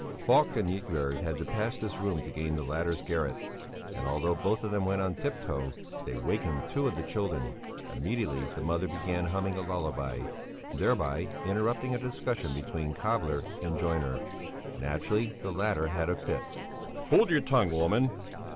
Falk and Ygberg had to pass this room to gain the latter's garret, and although both of them went on tiptoe, they wakened two of the children; immediately the mother began humming a lullaby, thereby interrupting a discussion between cobbler and joiner; naturally the latter nearly had a fit. "Hold your tongue, woman!"